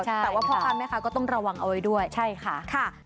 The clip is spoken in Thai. แต่ว่าเพราะความแย่นะคะต้องระวังเอาไว้ด้วย